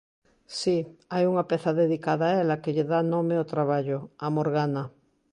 Si, hai unha peza dedicada a ela que lle dá nome ao traballo, Amorgana.